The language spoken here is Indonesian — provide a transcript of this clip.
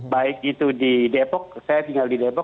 baik itu di depok saya tinggal di depok